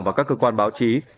và các cơ quan báo chí